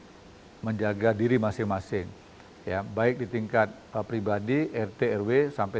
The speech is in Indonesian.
terus juga di tingkat sosial juga bisa menjaga diri masing masing ya baik di tingkat pribadi rt rw sampai negara lainnya